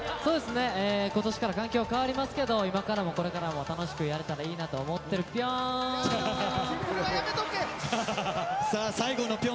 今年から環境が変わりますけど今からも、これからも楽しくやれたらいいなと思ってるピョーン。